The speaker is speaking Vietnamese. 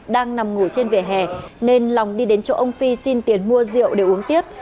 đang nằm ngủ trên vỉa hè nên long đi đến chỗ ông phi xin tiền mua rượu để uống tiếp